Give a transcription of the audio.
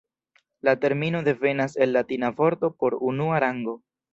La termino devenas el latina vorto por "unua rango".